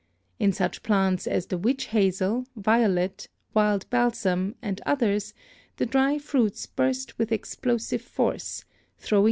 In such plants as the witch hazel, violet, wild balsam and others the dry fruits burst with explosive Fig.